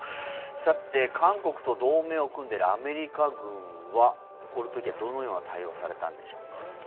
韓国と同盟を組んでいるアメリカ軍はこの時はどのような対応をされたのでしょうか。